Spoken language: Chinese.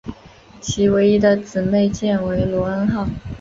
其唯一的姊妹舰为罗恩号。